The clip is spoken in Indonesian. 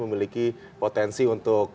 memiliki potensi untuk